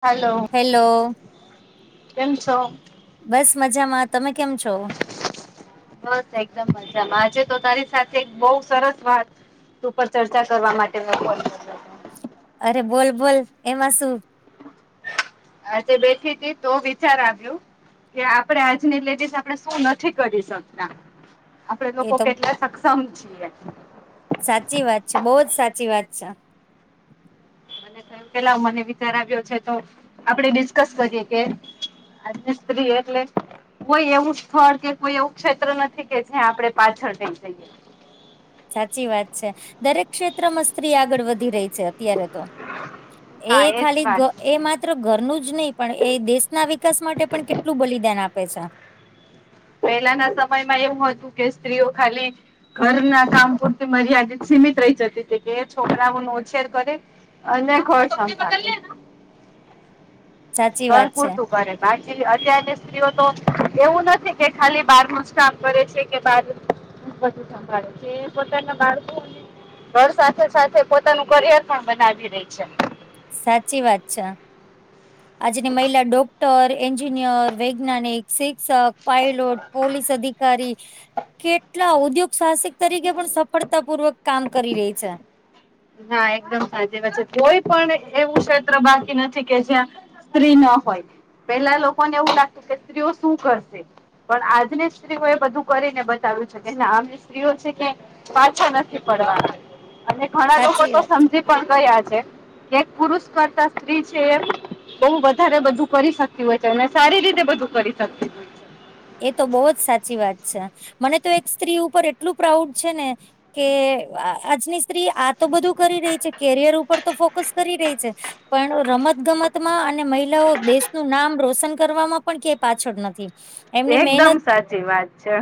Hello hello કેમ છો બસ મજામાં તમે કેમ છો બસ એકદમ મજામાં આજે તો તારી સાથે બહુ સરસ વાત ઉપર ચર્ચા કરવા માટે બરોબર અરે બોલ બોલ એમાં શું આજે બેઠી હતી તો વિચાર આવ્યો કે આપણે આજની લેડીસ આપણે શું નથી કરી શકતા આપડે એ લોકો તો કેટલા સક્ષમ છીએ સાચી વાત છે બહુ જ સાચી વાત છે. પેલા મને વિચાર આવ્યો છે તો આપણે ડિસ્કસ કરીએ કે આજ ની સ્ત્રી એટલે કોઈ એવું સ્થળ કે કોઈ એવું ક્ષેત્ર નથી કે જ્યાં આપણે પાછળ થઈ જઈએ સાચી વાત છે દરેક ક્ષેત્રમાં સ્ત્રી આગળ વધી રહી છે અત્યારે તો એ હા એજ ખાલી એ વાત છે મા માત્ર ઘરનું જ નહી પણ એ દેશના વિકાસ માટે પણ કેટલું બલિદાન આપે છે. પહેલાના સમયમાં એવું હતું કે સ્ત્રીઓ ખાલી ઘર ના કામ પૂરતી મર્યાદિત સીમિત રહી જતી હતી કે છોકરાઓ નો ઉછેર કરે અન્યાક હોષ [unintelligible] સાચી ઘર વાત છે પૂરતું કરે બાકી અત્યારની સ્ત્રીઓ તો એવું નથી કે ખાલી બાર નું કામ કરે છે કે બાર બધું સાંભળે છે તે પોતાના બાળકો ઘર સાથે સાથે પોતાનું કરિયર પણ બનાવી રહી છે. સાચી વાત છે. આજની મહિલા ડોક્ટર એન્જિનિયર વૈજ્ઞાનિક શી શિક્ષક પાયલોટ પોલીસ અધિકારી કેટલા ઉદ્યોગ સાહસિક તરીકે પણ સફળતા પૂર્વક કામ કરી રહી છે. હા એકદમ સાચી વાત છે કોઈ પણ એવું ક્ષેત્ર બાકી નથી કે જ્યાં સ્ત્રી ના હોય પેલા લોકોને એવું લાગતું કે સ્ત્રીઓ શું કરશે પણ આજની સ્ત્રીઓ એ બધું કરીને બતાવ્યું છે કે આમ સ્ત્રીઓ છે કે પાછા નથી પડવા ના ઘણા લોકો સાચી તો વાત છે સમજી પણ ગયા છે ક પુરુષ કરતા સ્ત્રી છે એ બહુ વધારે બધું કરી શકતી હોય છે અને સારી રીતે બધું કરી શકતી એ તો બહુ જ સાચી વાત છે મને તો એક સ્ત્રી ઉપર એટલું પ્રાઉડ છે ને કે આજની સ્ત્રી આ તો બધું કરી રહી છે કેરિયર ઉપર તો ફોકસ કરી રહી છે. પણ રમત ગમતમાં અને મહિલાઓ દેશનું નામ રોશન કરવામાં પણ ક્યાય પાછળ નથી એમની એકદમ મહેનત સાચી વાત છે.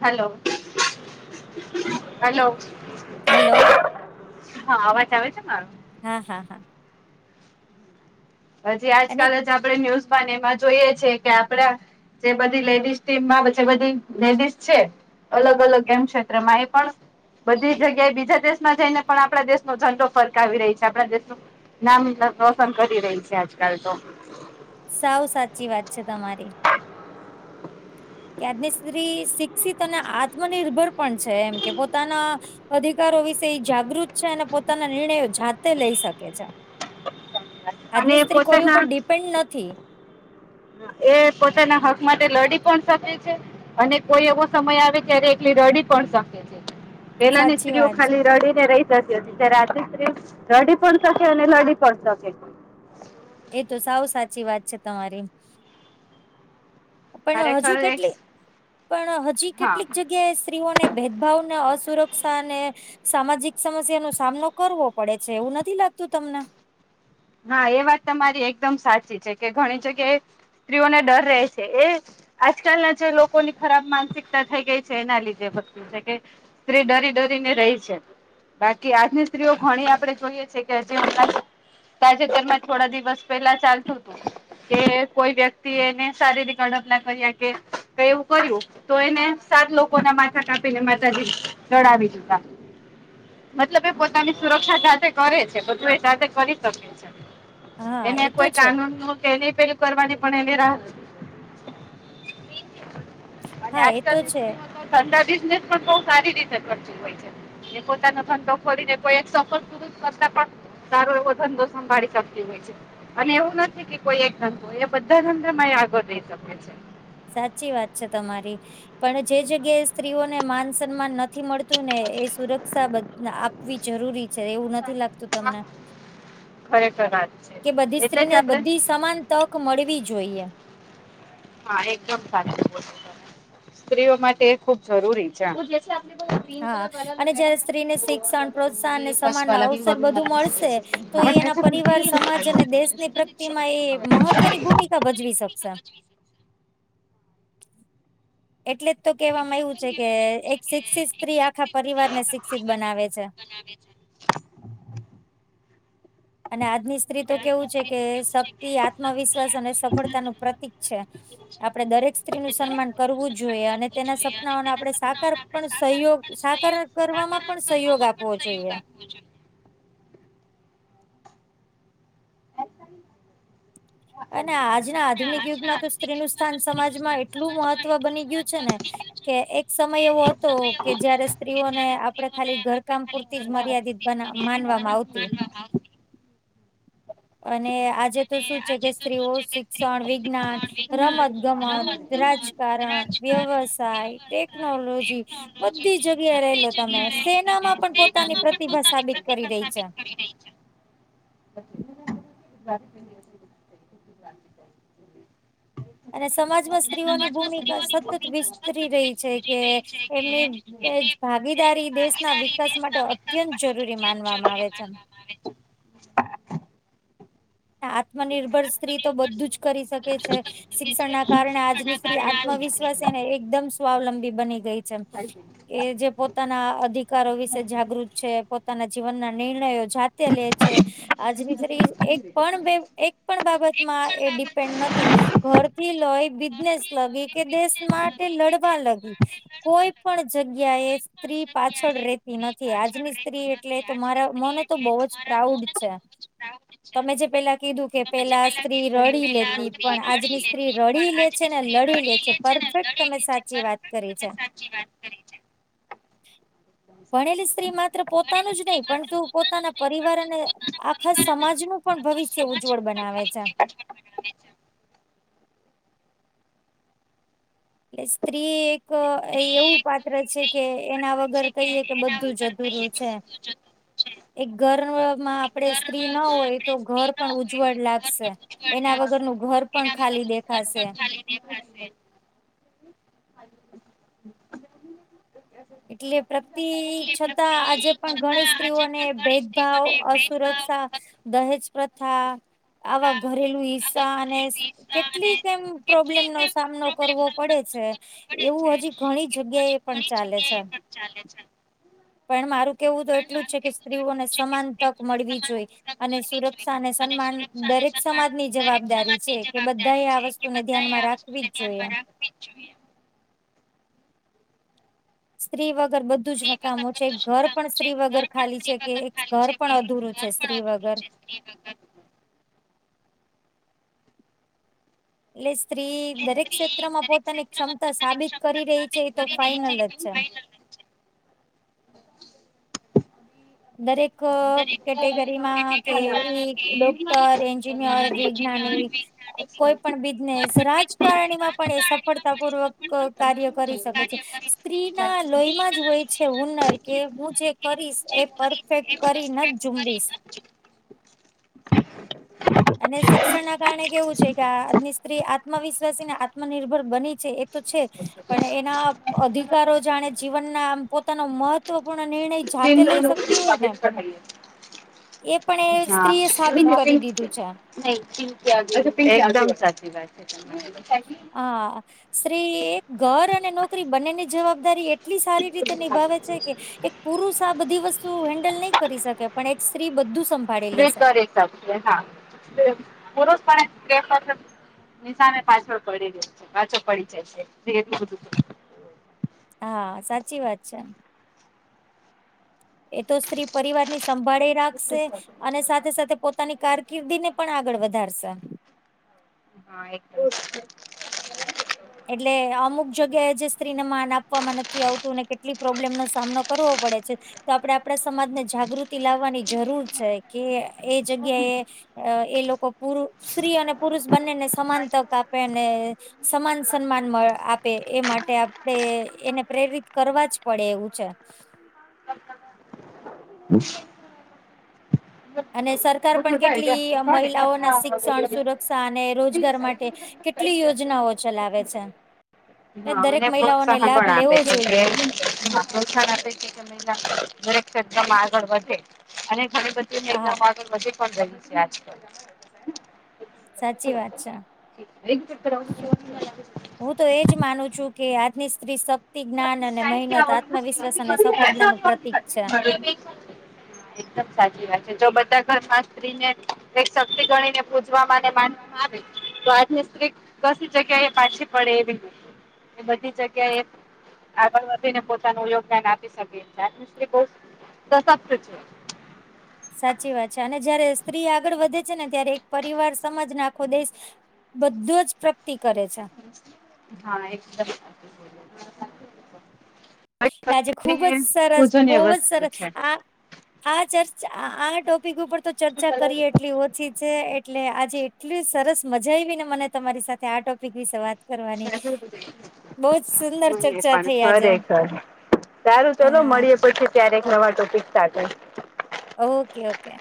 Hello hello hello. હા અવાજ આવે છે મારો હા હા હા. હજી અને આજકાલ જ આપડે ન્યુઝમાં એમાં જોઈએ છે કે આપડા જે બધી લેડીઝ ટીમમાં જે બધી લેડીઝ છે. અલગ અલગ એમ ક્ષેત્રમાં એ પણ બધી જગ્યાએ બીજા દેશમાં જઈને પણ આપણા દેશનો ઝંડો ફરકાવી રહી છે આપણા દેશનું નામ રોસન કરી રહી છે આજકાલ તો સાવ સાચી વાત છે તમારી કે આજની સ્ત્રી શિક્ષિત અને આત્મનિર્ભર પણ છે એમ કે પોતાના અધિકારો વિશે જાગૃત છે અને પોતાના નિર્ણયો જાતે લઈ શકે છે. અને આજની સ્ત્રી કોઈ પોતાના ઉપર ડિપેન્ડ નથી. એ પોતાના હક માટે લડી પણ શકે છે. અને કોઈ એવો સમય આવે જ્યારે એકલી રડી પણ શકે છે પેલા ની સાચી સ્ત્રીઓ વાત છે ખાલી રડી રહી જતી ત્યારે આજ સ્ત્રી રડી પણ શકે અને લડી પણ શકે. એ તો સાવ સાચી વાત છે તમારી પણ હજુ ખરેખર એક કેટલી પણ હજી હા કેટલીક જગ્યા કે સ્ત્રીઓને ભેદભાવને અસુરક્ષા અને સામાજિક સમસ્યા નો સામનો કરવો પડે છે એવું નથી લાગતું તમને હા એ વાત તમારી એકદમ સાચી છે કે ઘણી જગ્યાએ સ્ત્રીઓને ડર રહે છે એ આજકાલના જે લોકોની ખરાબ માનસિકતા થઈ ગઈ છે એના લીધે પણ છે કે સ્ત્રી ડરી ડરીને રહી છે. બાકી આજની સ્ત્રીઓ ઘણી આપડે જોઈએ છે કે હજી હમણાં જ તાજેતર મા થોડા દિવસ પેલા ચાલતુ હતું. કે કોઈ વ્યક્તિ એને શારીરિક અડપલા કર્યા કે તો એવું કર્યું તો એને સાત લોકો ના માથા કાપીને માતાજી ચડાવી દીધા મતલબ એ પોતાની સુરક્ષા જાતે કરે છે બધુ જાતે કરી શકે છે હા એને એ તો કોઈ છે કાનૂન નું કે એ પેલુ કરવાની પણ એ રાહત અને હા એ આજકાલ તો ની છે સ્ત્રીઓ તો ઘણા બિઝનેસ પણ બહું સારી રીતે કરતી હોય છે. એ પોતાનો ધંધો કરીને કોઈ એક સફરપુરૂષ કરતા પણ સારો એવો ધંધો સંભાળી શકતી હોય છે. અને એવું નથી કે કોઈ એક ધંધો હોય એ બધા જ ધંધો મા એ આગળ જઈ શકે છે. સાચી વાત છે તમારી પણ જે જગ્યાએ સ્ત્રીઓને માન સન્માન ન નથી મળતું ને એ સુરક્ષા બધ આપવી જરૂરી છે એવું નથી લાગતું હા, તમને ખરેખર વાત છે કે બધી એટલે સ્ત્રીને જ આપડે બધી સમાન તક મળવી જોઈએ. હા એકદમ સાચું કહો છો તમે સ્ત્રીઓ માટે એ ખુબ જરૂરી છે. [unintelligible] હા અને જયારે સ્ત્રીને શિક્ષણ પ્રોત્સાહન અને સમાન ના અવસર બધું મળશે તો એ એના પરિવાર સમાજ અને દેશની પ્રગતિ માં એ મહત્વની ભૂમિકા સમજવી શકશે એટલે જ તો કેહેવામાં એવું છે કે એક શિક્ષિત સ્ત્રી આખા પરિવાર ને શિક્ષિત બનાવે છે બનાવે છે અને આજની સ્ત્રી તો કેવું છે કે શક્તિ આત્મવિશ્વાસ અને સફળતાનું પ્રતિક છે. આપડે દરેક સ્ત્રીનું સન્માન કરવું જોઈએ અને તેના સપનાઓને આપડે સાકાર પણ સહયોગ સાકાર કરવામાં પણ સહયોગ આપવો જોઈએ. [unintelligible] અને આજના આધુનિક યુગમાં તો સ્ત્રી નું સ્થાન સમાજમાં એટલું મહત્વ બની ગ્યું છે ને. કે એક સમય એવો હતો કે જયારે સ્ત્રીઓને આપડે ખાલી ઘરકામ પૂરતી જ મર્યાદિત બના માનવામાં આવતી. અને આજે તો શું છે કે સ્ત્રીઓ શિક્ષણ, વિજ્ઞાન રમત-ગમત, રાજકારણ, વ્યવસાય, ટેકનોલોજી બધી જગ્યા રેલો તમે સેના માં પણ પોતાની પ્રતિભા સાબિત કરી રહી છે. [unintelligible] [unintelligible] અને સમાજમાં સ્ત્રીઓની ભૂમિકા સતત વિસ્તરી રહી છે કે એમની તેજ ભાગીદારી દેશના વિકાસ માટે અત્યંત જરૂરી માનવામાં આવે છેમ. આત્મનિર્ભર સ્ત્રી તો બધું જ કરી શકે છે શિક્ષણ ના કારણે આજની સ્ત્રી આત્મવિશ્વાસ એને એકદમ સ્વાવલંબી બની ગઈ. છેમ એ જે પોત તાના અધિકારો વિશે જાગૃત છે પોતાના જીવનના નિર્ણયો જાત તે લે છે આજની તરી એક પણ બે એક પણ બાબતમાં એ ડિપેન્ડ નથી. ઘરથી લઈ બિઝનેસ લગી કે દેશ માટે લડવા લગી. કોઈ પણ જગ્યા એ સ્ત્રી પાછળ રેતી નથી આજની સ્ત્રી એટલે તો મારા મને તો બહુ જ પ્રાઉડ છે. તા [unintelligible] તમે જે પેલા કીધું કે પેલા સ્ત્રી રડી લેતી પણ આજની સ્ત્રી રડી લે છે ને લડી લે છે પરફેક્ટ તમે સાચી વાત કરી છે [unintelligible] સાચી વાત કરી છે. ભણેલી સ્ત્રી માત્ર પોતાનું જ નહી પણ શું પોતાના પરિવાર અને આખા સમાજનું પણ ભવિષ્ય ઉજ્જવળ બનાવે છે. [unintelligible] ટલે સ્ત્રી એક એવું પાત્ર છે કે એના વગર કહીએ કે બધું જ અધુરું છે. એક ઘરમાં આપણેે સ્ત્રી ના હોય તો ઘર પણ ઉજ્જવળ લાગશે. એના વગરનું ઘર પણ ખાલી દેખાશે. એ [unintelligible] એટલે પ્રગતિ છતાં આજે પણ ઘણી સ્ત્રીઓને ભેદભાવ, અસુરક્ષા દહેજ પ્રથા આવા ઘરેલુ હિસ્સા અને કેટલીક એમ પ્રોબ્લેમ નો સામનો કરવો પડે છે. એવું હજી ઘણી જગ્યા એ પણ ચાલે છે. ચાલે છે. પણ મારું કેવું તો એટલું જ છે કે સ્ત્રીઓને સમાન તક મળવી જોઈ. અને સુરક્ષા અને સન્માન દરેક સમાજની જવાબદારી છે કે બધા એ આ વસ્તુને ધ્યાનમાં રાખ વી જ જોઈએ. સ્ત્રી વગર બધું જ હકામું છે એક ઘર પણ સ્ત્રી વગર ખાલી છે કે એક ઘર પણ અધૂરું છે સ્ત્રી વગર. [unintelligible] એટલે સ્ત્રી દરેક ક્ષેત્રમાં પોતાને ક્ષમતા સાબિત કરી રહી છે એ તો ફાાઈનલ જ છે. દરેક કેટેગરીમાં કે ઈ ડોક્ટર, એન્જિનિયર, વિજ્ઞાનિક કોઈ પણ બિઝનેસ રાજકારણીમાં પણ એ સફળતા પૂર્વક કાર્ય કરી શકે છે. સ્ત્રીના લોહીમાં જ હોય છે હુનર કે હું જે કરીશ એ પરફેક્ટ કરીને જ ઝુંબીશ અને શિક્ષણના કારણે કેવું છે કે આજની સ્ત્રી આત્મવિશ્વાસી અને આત્મનિર્ભર બની છે એ તો છે પણ એના અધિકારો જાણે જીવનના પોતાનો મત તો પણ આ નિર્ણય જાતે લઈ શકતી હોય ને એ પણ એ હા સ્ત્રીએ સાબિત કરી દીધું છે. [inaudible] એકદમ સાચી વાત છે તમારી હા સ્ત્રી એ ઘર અને નોકરી બંનેની જવાબદારી એ ટલી સારી રીતે નિભાવે છે કે એક પુરુષ આ બધી વસ્તુઓ હેન્ડલ નહી કરી શકે પણ એક સ્ત્રી બધું સમ સ્ત્રી કરી શકશે હા પુરુષ પણ [inaudible] નિશાને પાછળ પડી રે છે પાછો પડી જાય છે તે એટલું બધું હા સાચી વાત છે. એ તો સ્ત્રી પરિવારની સંભાળે રાખશે અને સાથે-સાથે પોતાની કારકિર્દી ને પણ આગળ વધારશે. હા [inaudible] એટલે અમુક જગ્યાએ જે સ્ત્રીને માન આપવામાં નથી આવતું અને કેટલીક પ્રોબ્લેમ નો સામનો કરવો પડે છે. તો આપણે આપણા સમાજને જાગૃતિ લાવવાની જરૂર છે કે એ જગ્યાએ અહ, એ લોકો પુરુ સ્ત્રી અને પુરુષ બંનેને સમાન તક આપે અને સમાન સન્માન મળ, આપે એ માટે આપણે એને પ્રેરિત કરવા જ પડે એવું છે. [inaudible] અને સરકાર પણ કેટલી મહિલાઓના શિક્ષણ સુરક્ષા અને રોજગાર માટે કેટ ટલી યોજનાઓ ચલાવે છે. એટલે હા દરેક અને મહિલાઓને પ્રોત્સાહન લાભ પણ આપે લેવો છે જે જોઈએ હા, પ્રોત્સાહન આપે છે તમે જાણો [inaudible] દરેક ક્ષેત્રમાં આગળ વધે અને ખરેખર [inaudible] હા નજીકમાં [unintelligible] છે આજકલ સાચી વાત છે. હું તો એ જ માનું છું કે આજની સ્ત્રી સક્ [inaudible] એકદમ સાચી અને વાત સફળતાનું પ્રતીક છે છે જો બધા ઘરમાં સ્ત્રીને એક શક્તિ ગણીને પૂજવા માને માન માને તો આજની સ્ત્રી કસી જગ્યા એ પાછી પડે નહિ. એ બધી જગ્યાએ આગળ વધીને પોતાનું યોગદાન આપી શકે કારણ કે સ્ત્રી બહુ સશક્ત છે. સાચી વાત છે અને જયારે સ્ત્રી આગળ વધે છે ને ત્યારે એક પરિવાર, સમાજ અને આખો દેશ બધું જ પ્રગતિ કરે છે. હા એકદમ સાચું બોલ્યા [inaudible] આજે ખુબ જ સરસ બઉ જ વસ્તુ સરસ છે. આ હા ચર્ચ, આ ટોપિક ઉપર તો ચર્ચા કરીએ એટલી ઓછી છે, એટલે આજે એટલી સરસ મજા આયવી ને મને તમારી સાથે આ ટોપિક વિશે વાત કરવાની બઉં જ સુંદર મને ચર્ચા પણ થઈ આજે ખરેખર સારું ચલો હા મળીએ પછી ક્યારેક નવા ટોપિક સાથે ઓકે ઓકે